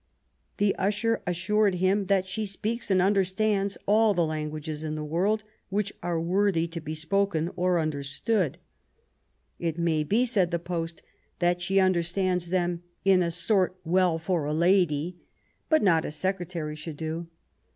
The usher assured him that "she speaks and understands all the languages in the world which are worthy to be 2S2 QUEEN ELIZABETH. spoken or understood '*. "It may be," said the post, that she understands them in a sort well for a lady, but not as secretaries should do."